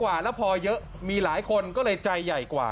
และพอเยอะมากก็เยอะกว่าก็เลยใจใหญ่กว่า